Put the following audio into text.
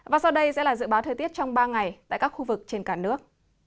và sau đây sẽ là dự báo thời tiết trong ba ngày tại các khu vực trên cả nước